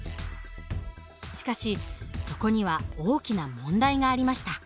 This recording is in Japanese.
しかしそこには大きな問題がありました。